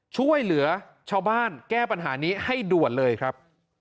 ช่วยเหลือชาวบ้านแก้ปัญหานี้ให้ด่วนเลยครับ